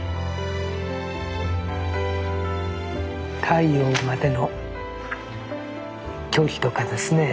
太陽までの距離とかですね